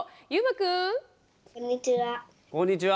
こんにちは。